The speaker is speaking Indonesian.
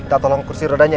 minta tolong kursi rodanya ya